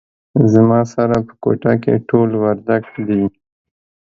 زما سره په کوټه کې ټول وردګ دي